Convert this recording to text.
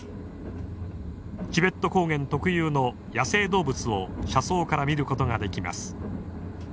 チベット高原特有の野生動物を車窓から見ることができます。